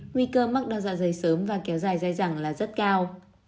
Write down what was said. nguy cơ mắc đau dọa dày sớm và kéo dài dài dẳng là rất cao